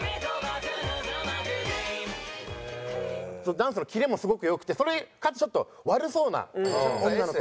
ダンスのキレもすごく良くてかつちょっと悪そうな女の子。